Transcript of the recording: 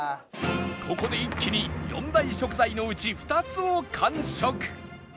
ここで一気に４大食材のうち２つを完食